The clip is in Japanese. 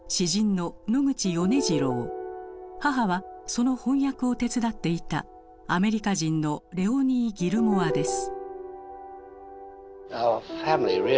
母はその翻訳を手伝っていたアメリカ人のレオニー・ギルモアです。